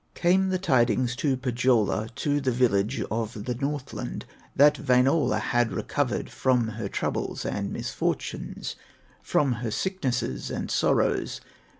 Came the tidings to Pohyola, To the village of the Northland, That Wainola had recovered From her troubles and misfortunes, From her sicknesses and sorrows.